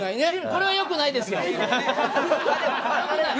これは良くないですよ。